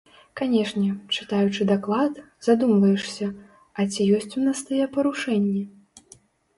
Канешне, чытаючы даклад, задумваешся, а ці ёсць у нас тыя парушэнні?